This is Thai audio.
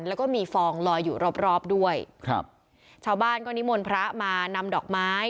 แล้วก็มีฟองลอยอยู่รอบรอบด้วยครับชาวบ้านก็นิมนต์พระมานำดอกไม้